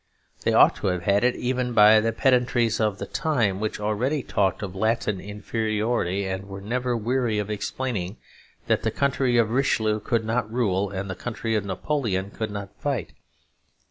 They ought to have had it even by the pedantries of the time, which already talked of Latin inferiority: and were never weary of explaining that the country of Richelieu could not rule and the country of Napoleon could not fight.